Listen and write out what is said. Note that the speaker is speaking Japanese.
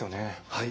はい。